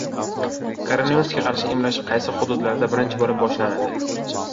Koronavirusga qarshi emlash qaysi hududlarda birinchi bo‘lib boshlanadi?